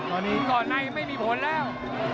ตอนนี้ก่อนในไม่มีผลแล้ว